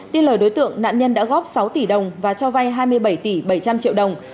tin lời đối tượng nạn nhân đã góp sáu tỷ đồng và cho vay hai mươi bảy tỷ bảy trăm linh triệu đồng